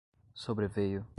sobreveio